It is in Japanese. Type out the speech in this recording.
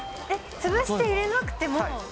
潰して入れなくても？